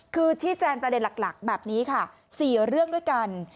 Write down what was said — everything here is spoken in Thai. คือชี้แจงประเด็นหลักแบบนี้ค่ะ๔เรื่องด้วยกัน